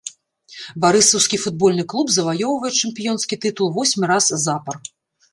Барысаўскі футбольны клуб заваёўвае чэмпіёнскі тытул восьмы раз запар.